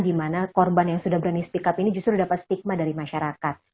di mana korban yang sudah berani speak up ini justru dapat stigma dari masyarakat